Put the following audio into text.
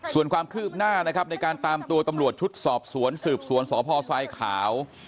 ส่วนความคืบหน้านะครับในการตามตัวตำรวจชุดสอบสวนสืบสวนสพทรายขาว